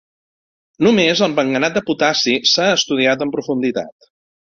Només el manganat de potassi s'ha estudiat en profunditat.